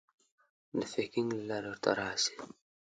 د پیکنګ له لارې ورته راسې.